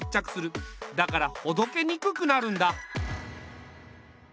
だからほどけにくくなるんだ。